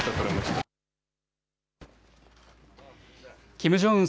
キム・ジョンウン